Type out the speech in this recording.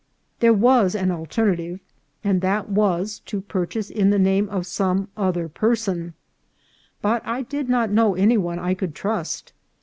There was an alter native, and that was to purchase in the name of some other person ; but I did not know any one I could trust.